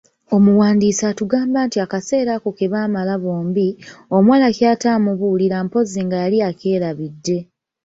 Omuwandiisi atugamba nti akaseera ako kebaamala bombi, omuwala ky’ataamubuulira mpozzi nga yali akyerabidde.